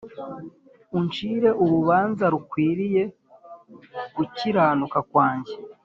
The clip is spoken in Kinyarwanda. uncire urubanza rukwiriye gukiranuka kwanjye